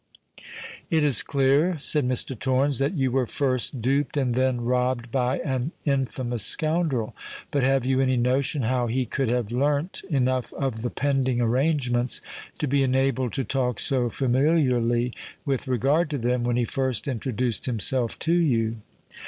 "It is clear," said Mr. Torrens, "that you were first duped and then robbed by an infamous scoundrel. But have you any notion how he could have learnt enough of the pending arrangements to be enabled to talk so familiarly with regard to them, when he first introduced himself to you?"